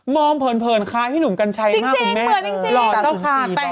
สวัสดีค่ะข้าวใส่ไข่สดใหม่เยอะสวัสดีค่ะ